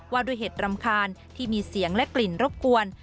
ว่าด้วยเหตุรำคาญที่มีเสียงและกลิ่นรบกวน